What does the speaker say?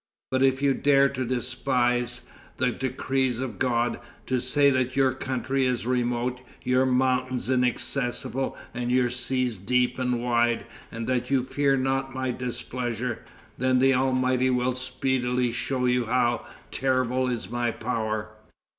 But if you dare to despise the decrees of God, and to say that your country is remote, your mountains inaccessible, and your seas deep and wide, and that you fear not my displeasure, then the Almighty will speedily show you how terrible is my power."